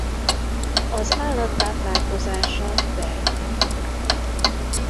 Az állat táplálkozása rejtély.